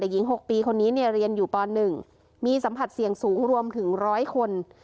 แต่หญิง๖ปีคนนี้เนี่ยเรียนอยู่ป๑มีสัมผัสเสี่ยงสูงรวมถึง๑๐๐คน